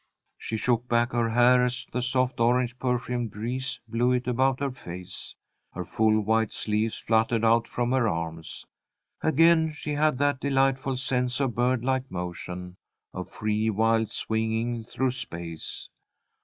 She shook back her hair as the soft, orange perfumed breeze blew it about her face. Her full white sleeves fluttered out from her arms. Again she had that delightful sense of birdlike motion, of free, wild swinging through space.